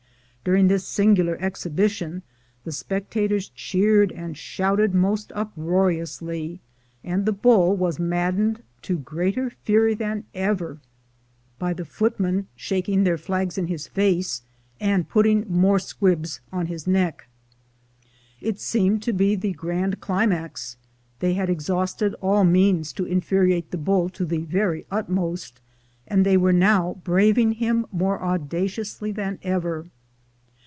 During this singular exhibition the spectators cheered and shouted most uproariously, and the bull was maddened to greater fury than ever by the footmen 320 THE GOLD HUNTERS shaking their flags in his face, and putting more squibs on his neck. It seemed to be the grand cli max; they had exhausted all means to infuriate the bull to the very utmost, and they were now braving him more audaciously than ever.